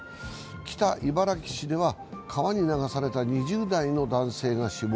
北茨城市では川に流された２０代の男性が死亡。